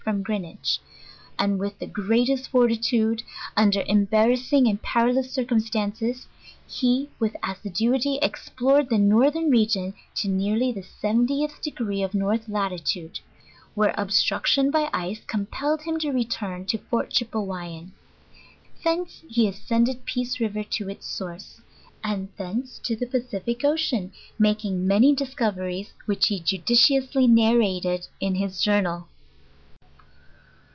from Greenwich, and with the greatest fortitude, under embarrassing and perilous circumstances, he with as siduity explored the northern region to nearly the 70lh de gree of north latitude, where obstruction by ice compelled him to return to Fort Chepevvyan. Thence he ascended Peace River to its source, and thence to the Pacific ocean; making many discoveries which he judiciously narrated in hie jour nal.